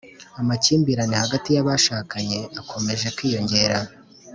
Amakimbire hagati y’ abashakanye akomeje kw’ iyonjyera